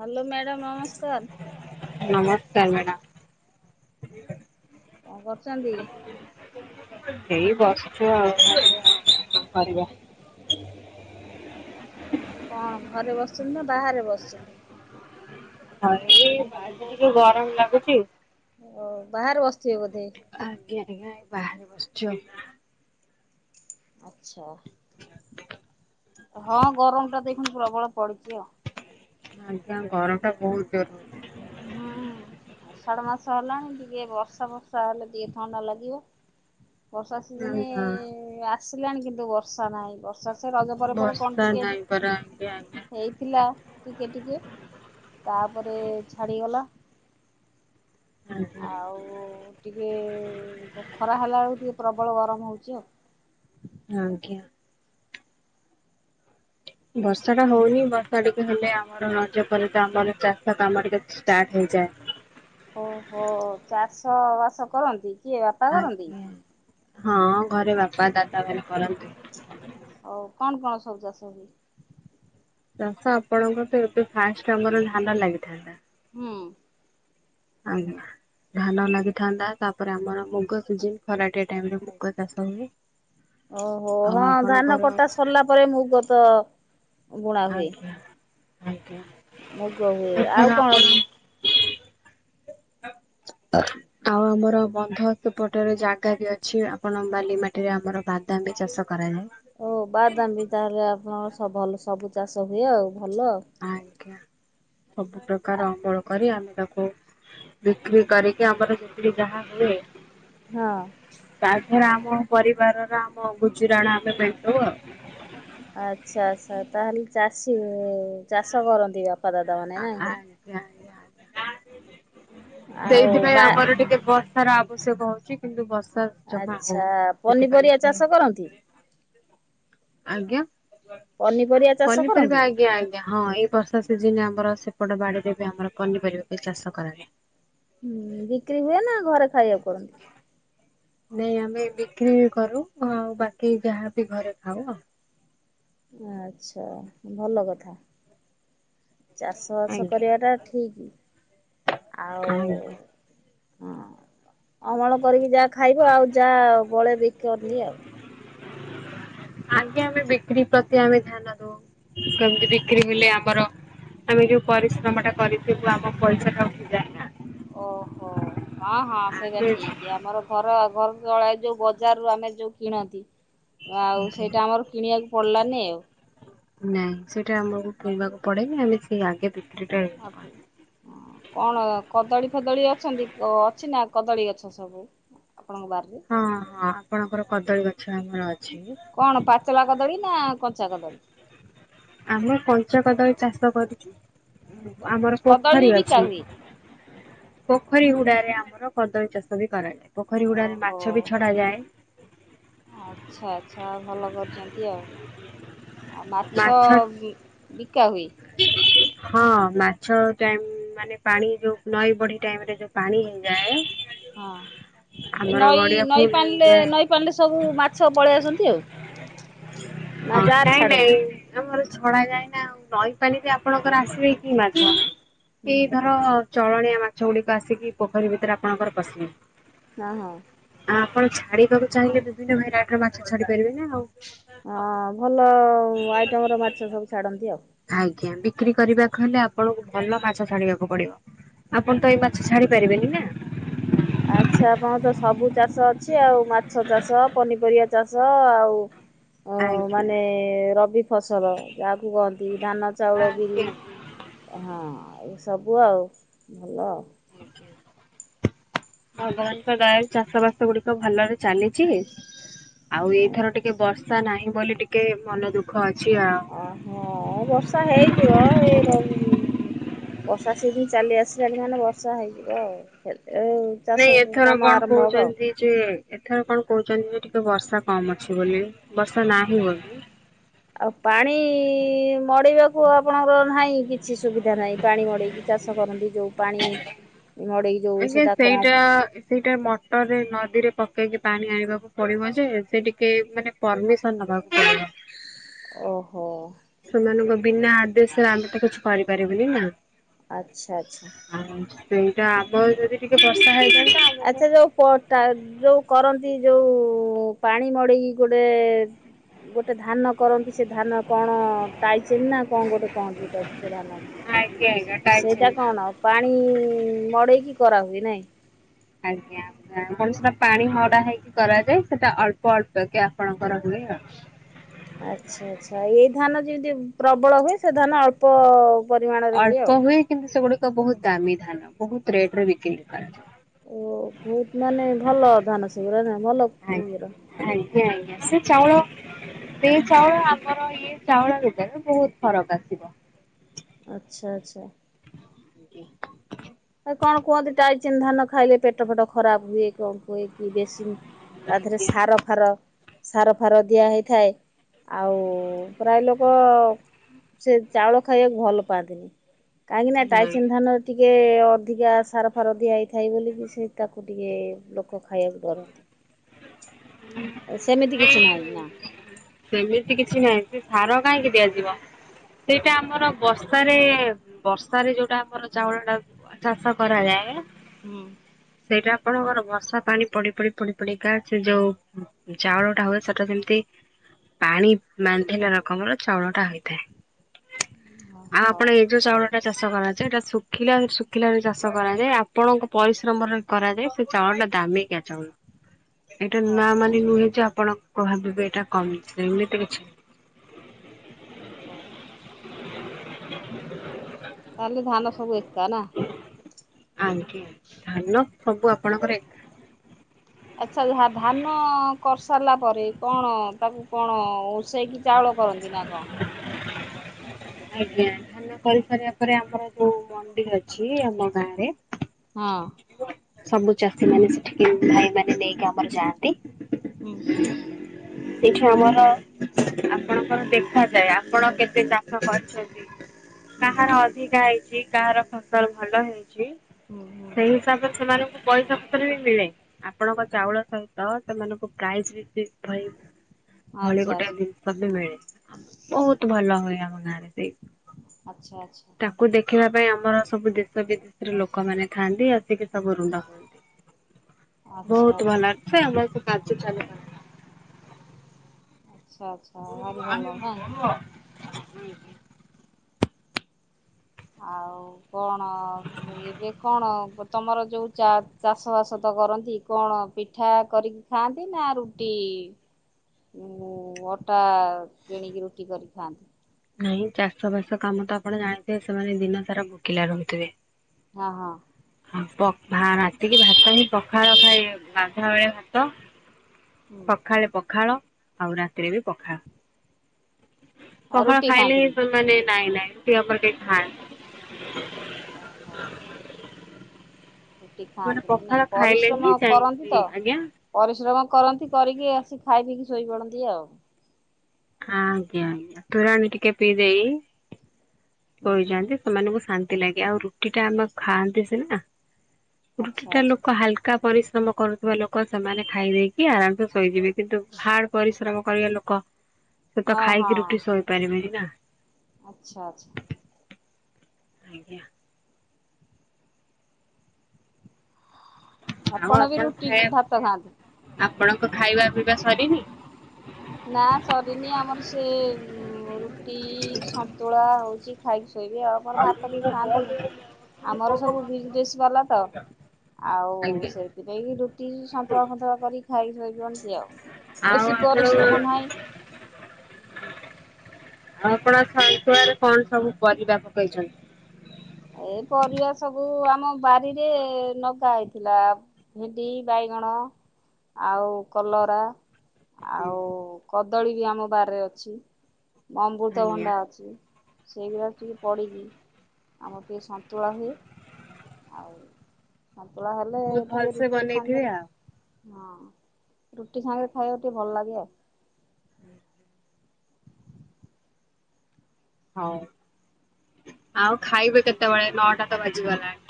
Hello madam ନମସ୍କାର। ନମସ୍କାର madam. କଣ କରୁଛନ୍ତି? ଏଇ ବସୁଛୁ ଆଉ କଣ କରିବା। କଣ ଘରେ ବସିଛନ୍ତି ନା ବାହାରେ ବସିଛନ୍ତି? ହଁ ଏଇ ବାଜ ଟିକେ ଗରମ ଲାଗୁଛି। ଓ ବାହାରେ ବସିଥିବେ ବୋଧେ। ଆଜ୍ଞା ଆଜ୍ଞା ବାହାରେ ବସିଛୁ ଆଉ। ଆଚଛା ହଁ ଗରମ ଟା ଦେଖନ୍ତୁ ପ୍ରବଳ ପଡିଛି ଆଉ। ଆଜ୍ଞା ଗରମ ଟା ବହୁତ ଜରୁରୀ ହୁଁ [inaudible] ଆଷାଢ ମାସ ହେଲାଣି ଟିକେ ବର୍ଷା ବର୍ଷା ହେଲେ ଟିକେ ଥଣ୍ଡା ଲାଗିବ। ବର୍ଷା ସେ ଦିନେ ଆଜ୍ଞା ଆସିଲାଣି କିନ୍ତୁ ବର୍ଷା ନାହିଁ ବର୍ଷା ସ ରଜ ପରେ ପରେ କଣ ବର୍ଷା ଟିକେ ନାହିଁ ପରା ଆଜ୍ଞା ଆଜ୍ଞା। ହେଇଥିଲା ଟିକେ ଟିକେ ତାପରେ ଛାଡ଼ିଗଲା। ଆଜ୍ଞା ଆଉ ଟିକେ ଖରା ହେଲାବେଳକୁ ଟିକେ ପ୍ରବଳ ଗରମ ହେଉଛି ଆଉ। ହ୍ଞା। ବର୍ଷା ଟା ହଉନି ବର୍ଷା ଟିକେ ହେଲେ ଆମର ନଜର ପ ତ ଆମର ଚାଷ ତ ଆମର ଟିକେ ଷ୍ଟାର୍ଟ ହେଇଯାଏ। ଓହୋ ଚାଷ ବାସ କରନ୍ତି କିଏ ବାପା କରନ୍ତି। ଆଜ୍ଞା ହଁ ଘରେ ବାପା ଦାଦା ମାନେ କରନ୍ତି। ହୋଉ କଣ କଣ ସବୁ ଚାଷ ହୁଏ। ଚାଷ ଆପଣଙ୍କର ତ ଏତେ ଫାଷ୍ଟ୍ ଆମର ଧାନ ଲାଗିଥାନ୍ତା। ହୁଁ। ଆଜ୍ଞା। ଧାନ ଲାଗିଥାନ୍ତା ତାପରେ ଆମର ମୁଗ ସିଝେଇ ଖରାଟିଆ ଟାଇମ୍ ରେ ମୁଗ ଚାଷ ହୁଏ। ଓହୋ ଆଉ ହଁ ଧାନ ଆପଣଙ୍କର କଟା ସରିଲା ପରେ ମୁଗ ତ ବୁଣା ହୁଏ। ଆଜ୍ଞା ଆଜ୍ଞା। ମୁଗ ହୁଏ ଏଥର ଆଉ କଣ? ଆପଣ ଆଉ ଆମର ବନ୍ଧ ସେପଟରେ ଜାଗା ବି ଅଛି ଆପଣ ବାଲି ମାଟିରେ ଆମର ବାଦାମ ବି ଚାଷ କରାଯାଏ। ଓ ବାଦାମ୍ ବି ତାହେଲେ ଆପଣଙ୍କର ସ ଭଲ ସବୁ ଚାଷ ହୁଏ ଆଉ ଭଲ ଆଉ। ଆଜ୍ଞା ସବୁ ପ୍ରକାର ଅମଳ କରି ଆମେ ତାକୁ ବିକ୍ରି କରିକି ଆମର ବିକି ଯାହା ହୁଏ ହଁ। ତାଥରେ ଆମ ପରିବାରର ଆମ ଗୁଚୁରାଣ ଆମେ ମେଣ୍ଟୋଉ ଆଉ। ଆଚ୍ଛା ଆଚ୍ଛା ତାହେଲେ ଚାଷୀ ଚାଷ କରନ୍ତି ବାପା ଦାଦା ମାନେ ନାଇଁ। ଆଜ୍ଞା ଆଉ ସେଇଥିପାଇଁ ବା ଆମର ଟିକେ ବ ସାର ଆବଶ୍ୟକ ହଉଛି କିନ୍ତୁ ବର୍ଷା ଜମା ଆଚ୍ଛା ହଉନି। ସେଥିପାଇଁ ପନିପରିବା ଟିକେ ଚାଷ କରନ୍ତି? ଆଜ୍ଞା ପନିପରିବା ଚାଷ କରନ୍ତି? ପନିପରିବା ଆଜ୍ଞା ଆ ହଁ ଏଇ ବର୍ଷା ସିଜିନ୍ ଆମର ସେପଟ ବାଡିରେ ବି ଆମର ପନିପରିବାବି ଚାଷ କରାଯାଏ। ହୁଁ ବିକ୍ରି ହୁଏ ନା ଘରେ ଖାଇବା କରନ୍ତି? ନାଇଁ ଆମେ ବିକ୍ରି କରୁ ଆଉ ବାକି ଯାହାବି ଘରେ ଖାଉ ଆଉ। ଆଚ୍ଛା ଭଲ କଥା। ଚାଷ ବାସ ଆଜ୍ଞା କରିବାଟା ଠିକି। ଆଜ୍ଞା ଆଉ ହଁ ଅମଳ କରିକି ଯାହା ଖାଇବ ଆଉ ଯାହା ବଳେ ବିକନ୍ତି ଆଉ। ଆଗେ ଆମେ ବିକ୍ରି ପ୍ରତି ଆମେ ଧ୍ୟାନ ଦୋଉ କେମତି ବିକ୍ରି ହେଲେ ଆମର ଆମେ ଯୋଉ ପରିଶ୍ରମ ଟା କରିିବୁ ଆମ ପଇସା ଟା ଉଠିଯା ଓହୋ ହଁ ହଁ ସେଇଟା ଆଗେ ଠିକି ଆମର ଘର ଘରୁ ତଳା ଯୋଉ ବଜାର ରୁ ଆମେ ଯୋଉ କିଣନ୍ତି। ଆଉ ଆଜ୍ଞା। ସେଇଟା ଆମର କିଣିବାକୁ ପଡିଲାନି ଆଉ। ନାଇଁ ସେଇଟା ଆମକୁ କରିବାକୁ ପିଇବାକୁ ପଡେନି ଆମେ ସେଇ ଆଗେ ବିକ୍ରିଟା ଆପ ହଁ କଣ କଦଳୀ ଫଦଳୀ ଅଛନ୍ତି ଅଛି ନା କଦଳୀ ଗଛ ସବୁ? ଆପଣଙ୍କ ବାରରେ ହଁ ହଁ ଆପଣଙ୍କର କଦଳୀ ଗଛ ଆମର ଅଛି। କଣ ପାଚଳା କଦଳୀ ନା କଞ୍ଚା କଦଳୀ? ଆମେ କଞ୍ଚା କଦଳୀ ଚାଷ କରିଚୁ ଆମର କଦଳୀ ପୋଖରୀ ବି ବିକା ଅଛି। ହୁଏ ପୋଖରୀ ହୁଡ଼ାରେ ଆମର କଦଳୀ ଚାଷ ବି କରାଯାଏ। ପୋଖରୀ ହୁଡ଼ାରେ ମା ମାଛ ବି ଓହୋ। ଛଡାଯାଏ। ଆଚ୍ଛା ଆଚ୍ଛା ଭଲ କରିଚନ୍ତି ଆଉ ଆଉ ମାଛ ବିକା ହୁଏ। [inaudible] ହଁ ମାଛ ଟାଇମ୍ ମାନେ ପାଣି ଯୋଉ ନଈ ବଢି ଟାଇମ୍ ରେ ଯୋଉ ପାଣି ଯାଏ। ହଁ ଏ ନଈ ନଈ ଫୁଲ ପାଣିଲେ ହେଇଯାଏ। ନଈ ନଈ ପାଣିଲେ ସବୁ ମାଛ ପଳେଇ ଆସନ୍ତି ଆଉ ନା ହଁ ଯାର ନାଇଁ ନାଇଁ ଛାଡ଼ନ୍ତି ଆମର ଛଡା ଯାଏନା ଆଉ ରହିକାଲି ଯେ ଆପଣଙ୍କର ଆସିବେ କି ମାଛ ହୁଁ ଏଇ ଧର ଚଳଣିଆ ମାଛ ଗୁଡ଼ିକ ଆସିକି ପୋଖରୀ ଭିତରେ ଆପଣଙ୍କର ପସିଲେଣି। ନାଁ ହା ଆପଣ ଛାଡିବାକୁ ଚାହିଁଲେ ବିଭିନ୍ନ ଭେରାଇଟିର ମାଛ ଛାଡି ପାରିବେ ନା ଆଉ ହଁ ଭଲ ଆଇଟମ ର ମାଛ ସବୁ ଛାଡ଼ନ୍ତି ଆଉ ଆଜ୍ଞା ବିକ୍ରି କରିବାକୁ ହେଲେ ଆପଣଙ୍କୁ ଭଲ ମାଛ ଛାଡିବାକୁ ପଡିବ। ଆପଣ ତ ଏଇ ମାଛ ଛାଡି ପାରିବେନି ନା। ଆଚ୍ଛା, ଆପଣଙ୍କର ତ ସବୁ ଚାଷ ଅଛି ଆଉ ମାଛ ଚାଷ, ପନିପରିବା ଚାଷ ଆଉ ଅ ଆଜ୍ଞା ମାନେ ରବି ଫସଲ ଯାହାକୁ କହନ୍ତି ଧାନ, ଚାଉଳ, ବିରି ଆଜ୍ଞା। ହଁ ଏସବୁ ଆଉ ଭଲ [unintelligible] ଭଗବାନଙ୍କ ଦୟାରୁ ଚାଷ ବାସ ଗୁଡିକ ଭଲରେ ଚାଲିଚି ଆଉ ଏଇଥର ଟିକେ ବର୍ଷା ନାହିଁ ବୋଲି ଟିକେ ମନ ଦୁଃଖ ଅଛି ଆଉ ଆହା ବର୍ଷା ହେଇଯିବ ଏଇ ର ବର୍ଷା ସିଜିନ ଚାଲି ଆସିଲା କି ମାନେ ବର୍ଷା ହେଇଯିବ ଆଉ ହେଲେ ନାଇଁ ଚାଷ ଏଥର କାମ କଣ ଆରମ୍ଭ ହବ ଆଉ କହୁଛନ୍ତି ଯେ ଏଥର କଣ କହୁଛନ୍ତି ଯେ ଟିକେ ବର୍ଷା କମ ଅଛି ବୋଲି ବର୍ଷା ନାହିଁ ବୋଲି ଆଉ ପାଣି ମଡେଇବାକୁ ଆପଣଙ୍କର ନାହିଁ କି କିଛି ସୁବିଧା ନାହିଁ, ପାଣି ମଡେଇକି ଚାଷ କରନ୍ତି ଯୋଉ ପାଣି ମଡେଇ ଆଜ୍ଞା ସେଇଟା ଆ ଇସ୍ ସେଇଟା ମଟରରେ ନଦୀରେ ପକେଇକି ପାଣି ଆଣିବାକୁ ପଡିବ ଯେ ହେଲେ ଟିକେ ମାନେ ପରମିସନ ନବାକୁ ପଡ଼ିବ। ଓହୋ ସେମାନଙ୍କ ବିନା ଆଦେଶରେ ଆମେ ତ କିଛି କରିପାରିବୁନି ନା। ଆଚ୍ଛା ଆଚ୍ଛା। ଆରାମ୍ ସେ ସେଇଟା ଆଗ ହୋଇ ଯଦି ଟିକେ ବର୍ଷା ହେଇଥାଆନ୍ତା ତ ଆଉ ଗୋଟେ ଅଟା ଯୋଉ କରନ୍ତି ଯୋଉ ପାଣି ମଡେକି ଗୋଟେ ଗୋଟେ ଧାନ କରନ୍ତି ସେ ଧାନ କଣ? ତାଇଚୀନ ନା କଣ ଗୋଟେ କହନ୍ତି ସେଟାକୁ, ସେ ଧାନ ଆଜ୍ଞା ଆଜ୍ଞା ଟାଇଟ୍ ସେଇଟା ହେଇଥାନ୍ତା। କଣ? ପାଣି ମଡେଇକି କରାହୁଏ, ନାଇଁ ଆଜ୍ଞା। ରାଣ ସେଟା ପାଣି ମଡା ହେଇକି କରାଯାଏ। ସେଟା ଅଳ୍ପ ଅଳ୍ପ କେ ଆପଣଙ୍କର ହୁଏ। ଆଉ। ଆଚ୍ଛା ଆଚ୍ଛା। ଏଇ ଧାନ ଯେମିତି ପ୍ରବଳ ହୁଏ, ସେ ଧାନ ଅଳ୍ପ ପରିମାଣରେ ଅଳ୍ପ ଆଉ। ହୁଏ କିନ୍ତୁ ସେଗୁଡିକ ବହୁତ ଦାମୀ ଧାନ ବହୁତ ରେଟ ରେ ବିକ୍ରି କରାଯାଏ। ଓ ବହୁତ ମାନେ ଭଲ ଧାନ ସେଗୁରା ନା ଭଲ ଇଏର ଆଜ୍ଞା ଆଜ୍ଞା ଆଜ୍ଞା ସେ ଚାଉଳ ସେହି ଚାଉଳ ଆମର ଇଏ ଚାଉଳ ଭିତରେ ବହୁତ ଫରକ ଆସିବ। ଆଚ୍ଛା ଆଚ୍ଛା। [unintelligible] କଣ କୁହନ୍ତି ତାଇଚୀନ୍ ଧାନ ଖାଇଲେ ପେଟ ଫେଟ ଖରାପ ହୁଏ, କଣ କୁହେ କି ବେଶୀ ତା ଦେହରେ ନାଇଁ। ସାର ଫାର ସାର ଫାର ଦିଆ ହେଇଥାଏ। ଆଉ ପ୍ରାୟ ଲୋକ ସେ ଚାଉଳ ଖାଇଆକୁ ଭଲ୍ ପାଆନ୍ତିନି କାଇଁକି ନା ଟାଇସିନ୍ ଧାନ ଟିକେ ଅ ଧିକା ସାର ଫାର ଦିଆ ହେଇଥାଏ ବୋଲି କି ସେ ତାକୁ ଟିକେ ଲୋକ ଖାଇବାକୁ ଡରନ୍ତି। ଅ ସେମିତି କିଛି ନାଇଁ ନାଇ ନା। ସେମିତି କିଛି ନାଇଁ ସେ ସାର କାଇଁକି ଦିଆଯିବ। ସେଇଟା ଆମର ବର୍ଷାରେ ବର୍ଷାରେ ଯୋଉଟା ଆମର ଚାଉଳଟା ଅ ଚାଷ କରାଯାଏ ହୁଁ ସେଇଟା ଆପଣଙ୍କର ବର୍ଷା ପାଣି ପଡି ପଡି ପଡି ପଡିକା ସେ ଯୋଉ ଚାଉଳଟା ହୁଏ ସେଟା ସେମିତି ପାଣି ମଣ୍ଢିଲା ରକମର ଚାଉଳ ଟା ହେଇଥାଏ, ଆଉ ଓହୋ ଆପଣ ଏଇ ଯୋଉ ଚାଉଳ ଟା ଚାଷ କରାଯାଏ ଏଇଟା ଶୁଖିଲା ଶୁଖିଲାରେ ଚାଷ କରାଯାଏ ଆପଣଙ୍କ ପରିଶ୍ରମର କରାଯାଏ ସେ ଚାଉଳଟା ଦାମିକିଆ ଚାଉଳ। ଏଇଟା ନା ଓହୋ ମାନେ ନୁହେଁ ଯେ ଆପଣଙ୍କୁ ଭାବିବେ ଏଇଟା କମ୍ ସେମିତି କିଛି ଓହୋ। ତାହେଲେ ଧାନ ସବୁ ଏକା ନା। ଆଜ୍ଞା ଧାନ ସବୁ ଆପଣଙ୍କର ଏକ୍। ଆଚ୍ଛା ଝା ଧାନ କରସାରିଲା ପରେ କଣ ତାକୁ କଣ ଉଁସ୍ ସେଇକି ଚାଉଳ କରନ୍ତି ନା କଣ? ଆଜ୍ଞା ଧାନ କରିସାରିବା ପରେ ଆମର ଯୋଉ ମଣ୍ଡି ଅଛି ଆମ ଗାଁରେ ହଁ। ସବୁ ଚାଷୀ ମାନେ ସେଠିକି ଭାଇ ମାନେ ନେଇକି ଆମର ଯାଆନ୍ତି। ହୁଁ ସେଠି ଆମର ଆପଣଙ୍କର ଦେଖାଯାଏ ଆପଣ କେତେ ଚାଷ କରିଛନ୍ତି। ହୁଁ କାହାର ଅଧିକା ହେଇଚି କାହାର ଫସଲ ଭଲ ହେଇଚି ହୁଁ ହୁଁ ସେଇ ହିସାବରେ ସେମାନଙ୍କୁ ପଇସା ପତ୍ର ବି ମିଳେ। ଆପଣଙ୍କ ଚାଉଳ ସହିତ ସେମାନଙ୍କୁ ପ୍ରାଇସ୍ ବି ଫିକ୍ସ୍ ଥାଏ। ଭଳି ଆଚ୍ଛା ଗୋଟେ ଜିନିଷ ବି ମିଳେ ଆମ ବହୁତ୍ ଭଲ ହୁଏ ଆମ ଗାଁରେ ସେଇ ଆଚ୍ଛା ଆଚ୍ଛା। ତାକୁ ଦେଖିବା ପାଇଁ ଆମର ସବୁ ଦେଶ ବିଦେଶର ଲୋକମାନେ ଥାନ୍ତି ଆସିକି ସବୁ ରୁଣ୍ଡ ହୁଅନ୍ତି ଆଚ୍ଛା ବହୁତ୍ ଆଚ୍ଛା ଭଲ ସେଁ ବସି କାଜୁ [unintelligible] ଆଚ୍ଛା ଆଚ୍ଛା ଭାରି ଭଲ ନା। ହୁଁ ହୁଁ ଆଉ କଣ ଏବେ କଣ କ ତମର ଯୋଉ ଚା ଚାଷବାସ ତ କରନ୍ତି କଣ ପିଠା କରିକି ଖାଆନ୍ତି ନା ରୁଟି? [inaudible] ଉଁ ଅଟା କିଣିକି ରୁଟି କରିିକି ଖାଆନ୍ତି। ଏଇ ଚାଷବାସ କାମ ତ ଆପଣ ଜାଣିଥିବେ ସେମାନେ ଦିନ ସାରା ଭୋକିଲା ରହୁଥିବେ। ହଁ ହଁ ହଁ ପ ଭା ରାତିକି ଭାତ ହିଁ ପଖାଳ ଖାଇବେ ଗାଧୁଆ ବେଳେ ଭାତ। ହୁଁ ସଖାଳେ ପଖାଳ ଆଉ ରାତିରେ ବି ପଖାଅ। ଆଉ ପଖାଳ ରୁଟି ଖାଇଲେ ହିଁ ଖାଆନ୍ତିନି ତ ମାନେ ନାଇଁ ନାଇଁ ସେ ଆମର ବି ଖାଏ। ଓହୋ [inaudible] ରୁଟି ଖାଆନ୍ତିନି ନାଇଁ ପରିଶ୍ରମ କରନ୍ତି ଯାଇକି ତ ଆଜ୍ଞା ପରିଶ୍ରମ କରନ୍ତି କରିକି ଆସି ଖାଇ ପିଇକି ଶୋଇପଡନ୍ତି ଆଉ। ହଁ ଆଜ୍ଞା ଆଜ୍ଞା ତୋରାଣୀ ଟିକେ ପିଇ ଦେଇ ଶୋଇ ହୁଁ ଚନ୍ତି ସେମାନଙ୍କୁ ଶା ନ୍ତି ଲାଗେ, ଆଉ ରୁଟି ଟା ଆମେ ଖାଆନ୍ତି ସିନା ରୁଟି ଆଚ୍ଛା ଟା ଆଚ୍ଛା ଲୋକ ହାଲ କା ପରିଶ୍ରମ କରୁଥିବା ଲୋକ ସେମାନେ ଖାଇ ଦେଇକି ଆରାମସେ ଶୋଇଯିବେ। କିନ୍ତୁ ହାର୍ଡ ପରିଶ୍ରମ କରିବା ଲୋକ ସେ ତ ହଁ ହଁ ଖାଇକି ରୁଟି ଶୋଇପାରିବେନି ନା। ଆଚ୍ଛା ଆଚ୍ଛା ଆଜ୍ଞା। ଆଉ ଆପଣ ବି ରୁଟି ଖାଇବା ଭାତ ଖାଆନ୍ତି। ଆପଣଙ୍କ ଖାଇବା ପିଇବା ସରିନି। ନା ସରିନି ଆମର ସେ ଉମ ଉଁ ରୁଟି ସନ୍ତୁଳା ହଉଛି ଖାଇକି ଶୋଇବି ଆଉ ଆମର ଭାତ କେହି ଖାଆନ୍ତିନି। ଆମର ସବୁ ବିଜନେସ୍ ବାଲା ତ ଆଉ ଆଜ୍ଞା। ସେଇ ସେଥିପାଇଁ କିି ରୁଟି ସନ୍ତୁଳା ଫନ୍ତୁଳା କରିକି ଖାଇ ସୋଇ ପନ୍ତି ଆଉ ବେଶୀ ପରିଶ୍ରମ ନାହିଁ। ଆ ଆପଣ ସନ୍ତୁଆରେ କଣ ସବୁ ପରିବା ପକେଇଛନ୍ତି। ଏଇ ପରିବା ସବୁ ଆମ ବାରିରେ ଲଗା ହେଇଥିଲା। ଭେଣ୍ଡି ବାଇଗଣ ଆଉ କଲରା। ଆଉ କଦଳୀ ବି ଆମ ବାରିରେ ଅଛି ଅମୃତ ଆଜ୍ଞା। ଭଣ୍ଡା ଅଛି। ସେଇଗୁରା ଔଚିକି ପଡିକି ଆମର ଟିକେ ସନ୍ତୁଳା ହୁଏ ଆଉ ସନ୍ତୁଳା ହେଲେ ବହୁତ ଟିକେ ଭଲସେ ରୁଟି ବନେଇଥିବେ ସାଙ୍ଗରେ। ଆଉ। ହଁ ରୁଟି ସାଙ୍ଗେରେ ଖାଇବାକୁ ଟିକେ ଭଲ ଲାଗେ ଆଉ ହୁଁ ହଉ ଆଉ ଖାଇବେ କେତେବେଳେ ନଅଟା ତ ବାଜିଗଲାଣି।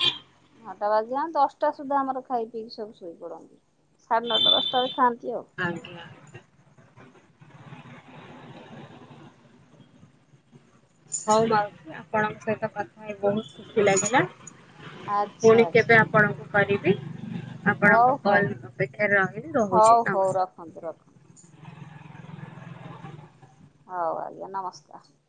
ନଅଟା ବାଜିଲାନି ଦଶଟା ସୁଦ୍ଧା ଆମର ଖାଇ ପିଇକି ସବୁ ଶୋଇପଡନ୍ତି ସାଢ଼େ ନଅଟା ଦଶଟା ରେ ଖାଆନ୍ତି ଆଉ। ଆଜ୍ଞା। ହଉ ମାଉସି ଆପଣଙ୍କ ସହିତ କଥା ହେଇ ବହୁତ ଖୁସି ଲାଗିଲା ଆଚ୍ଛା ପୁଣି କେବେ ଆ ଆଚ୍ଛା ଆପଣଙ୍କୁ କରିବି ହଉ ଆପଣଙ୍କ ହଉ କଲ ଅପେକ୍ଷାରେ ରହିଲି ରହୁଛି ନମସ୍କାର। ଅନ୍ଦ ରଖ। ହଉ ଆଜ୍ଞା ନମସ୍କାର।